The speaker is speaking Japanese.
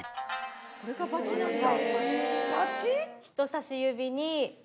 これがバチなんだ。